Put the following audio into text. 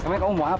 aku peg igual